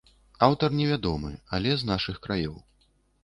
Аўтар невядомы, але з нашых краёў.